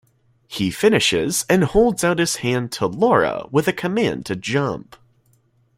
He finishes and holds out his hand to Laura with a command to jump.